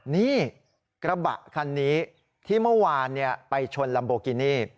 นี่กระบะคันนี้ที่เมื่อวานเนี่ยไปชนลำบุกินี่